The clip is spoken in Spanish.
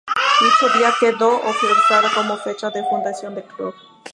Dicho día quedó oficializado como fecha de fundación del club.